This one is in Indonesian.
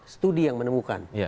studi yang menemukan